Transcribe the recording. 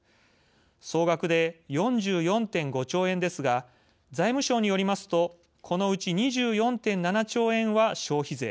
総額で４４．５兆円ですが財務省によりますとこのうち２４．７兆円は消費税。